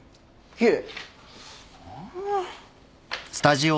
いえ。